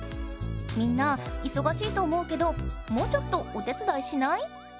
みんないそがしいと思うけどもうちょっとお手つだいしない？